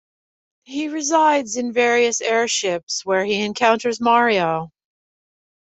He resides in various airships where he encounters Mario.